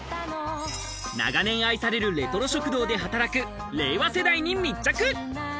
長年愛されるレトロ食堂で働く令和世代に密着。